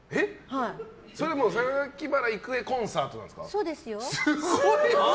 それは榊原郁恵コンサートそうですよ。